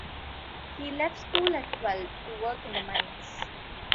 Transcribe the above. He left school at twelve to work in the mines.